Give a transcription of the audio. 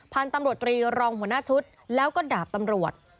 พันธุ์ตำรวจตรีรองหัวหน้าชุดแล้วก็ดาบตำรวจ